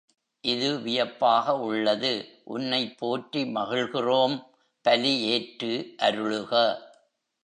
இது வியப்பாக உள்ளது உன்னைப் போற்றி மகிழ்கிறோம் பலி ஏற்று அருளுக.